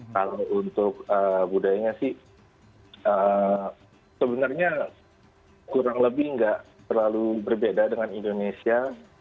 kalau untuk budayanya sih sebenarnya kurang lebih nggak terlalu berbeda dengan indonesia